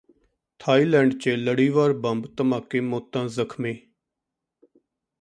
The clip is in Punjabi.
ਥਾਈਲੈਂਡ ਚ ਲੜੀਵਾਰ ਬੰਬ ਧਮਾਕੇ ਮੌਤਾਂ ਜ਼ਖਮੀ